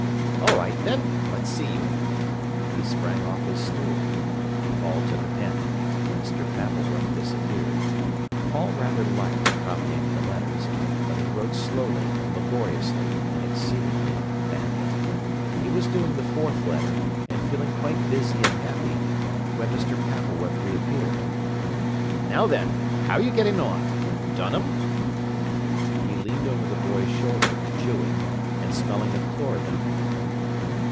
"All right then, let's see you." He sprang off his stool. Paul took a pen. Mr. Pappleworth disappeared. Paul rather liked copying the letters, but he wrote slowly, laboriously, and exceedingly badly. He was doing the fourth letter, and feeling quite busy and happy, when Mr. Pappleworth reappeared. "Now then, how'r' yer getting on? Done 'em?" He leaned over the boy's shoulder, chewing, and smelling of chlorodyne.